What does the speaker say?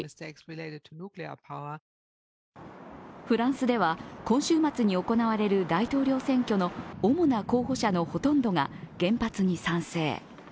フランスでは今週末に行われる大統領選の主な候補者のほとんどが原発に賛成。